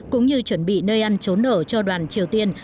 cũng như chuẩn bị nơi ăn trốn ở cho đoàn triều tiên